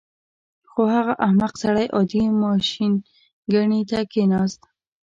خو هغه احمق سړی عادي ماشینګڼې ته کېناست